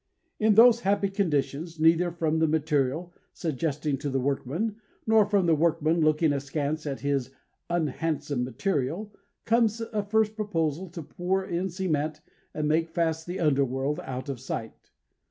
In those happy conditions, neither from the material, suggesting to the workman, nor from the workman looking askance at his unhandsome material, comes a first proposal to pour in cement and make fast the underworld, out of sight.